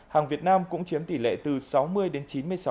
hàng việt nam cũng chiếm tỷ lệ từ sáu mươi đến chín mươi sáu